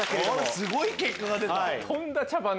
すごい結果が出た。